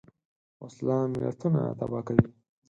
وسله ملتونه تباه کوي